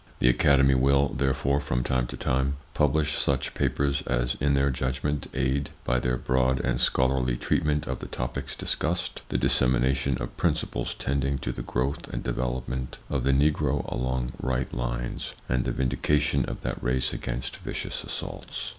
The Academy will, therefore, from time to time, publish such papers as in their judgment aid, by their broad and scholarly treatment of the topics discussed the dissemination of principles tending to the growth and development of the Negro along right lines, and the vindication of that race against vicious assaults.